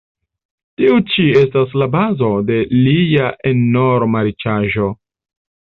Tiu ĉi estas la bazo de lia enorma riĉaĵo.